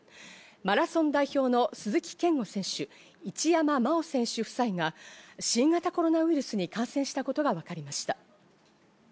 マラソン代表の鈴木健吾選手、一山麻緒選手夫妻が、新型コロナウイルスに感染したことが分かりました。